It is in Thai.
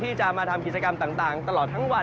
ที่จะมาทำกิจกรรมต่างตลอดทั้งวัน